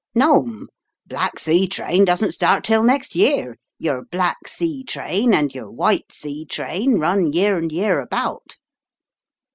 "No, 'm; Black Sea train doesn't start till next year; your Black Sea train and your White Sea train run year and year about."